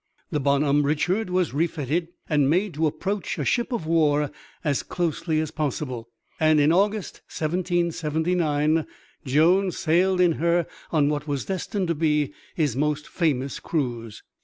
The Bonhomme Richard was refitted and made to approach a ship of war as closely as possible, and in August, 1779, Jones sailed in her on what was destined to be his most famous cruise.